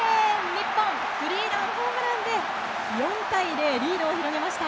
日本、スリーランホームランで４対０とリードを広げました。